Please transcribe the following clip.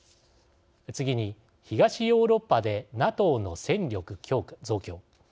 次に東ヨーロッパでＮＡＴＯの戦力増強。